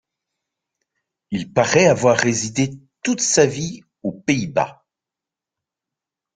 Il paraît avoir résidé toute sa vie aux Pays-Bas.